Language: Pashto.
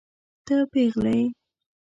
ته پيغله يې.